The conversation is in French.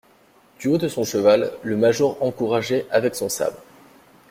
Du haut de son cheval, le major encourageait avec son sabre.